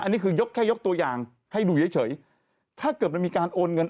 อันนี้คือยกแค่ยกตัวอย่างให้ดูเฉยถ้าเกิดมันมีการโอนเงิน